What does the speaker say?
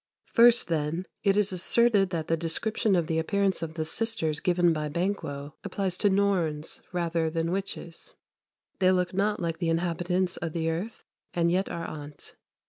First, then, it is asserted that the description of the appearance of the sisters given by Banquo applies to Norns rather than witches "They look not like the inhabitants o' th' earth, And yet are on't."